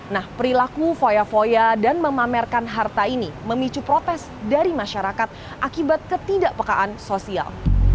nah perilaku foya foya dan memamerkan harta ini memicu protes dari masyarakat akibat ketidakpekaan sosial